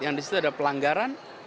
yang disitu ada pelanggaran